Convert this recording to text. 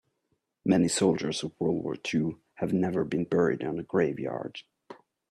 Many soldiers of world war two have never been buried on a grave yard.